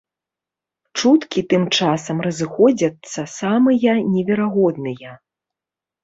Чуткі тым часам разыходзяцца самыя неверагодныя.